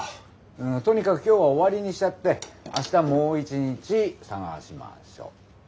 うんとにかく今日は終わりにしちゃって明日もう一日探しましょう。